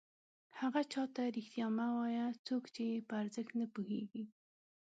هغه چاته رښتیا مه وایه څوک چې یې په ارزښت نه پوهېږي.